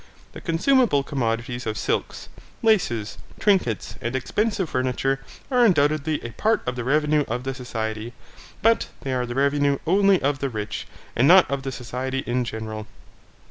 The consumable commodities of silks, laces, trinkets, and expensive furniture, are undoubtedly a part of the revenue of the society; but they are the revenue only of the rich, and not of the society in general.